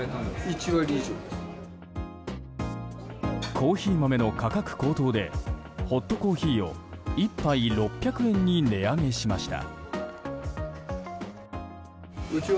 コーヒー豆の価格高騰でホットコーヒーを１杯６００円に値上げしました。